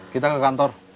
kita ke kantor